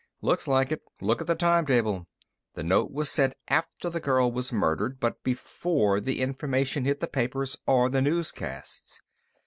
"Looks like it. Look at the time table. The note was sent after the girl was murdered, but before the information hit the papers or the newscasts.